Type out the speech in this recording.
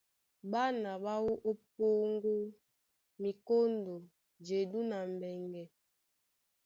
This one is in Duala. Ɓána ɓá wú ó Póŋgó, Mikóndo, Jedú na Mbɛŋgɛ.